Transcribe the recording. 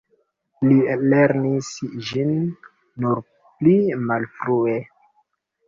Li lernis ĝin nur pli malfrue.